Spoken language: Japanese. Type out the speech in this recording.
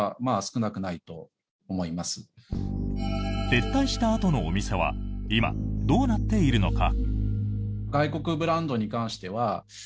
撤退したあとのお店は今、どうなっているのか。